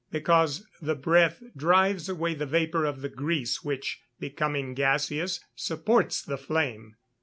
_ Because the breath drives away the vapour of the grease which, becoming gaseous, supports the flame.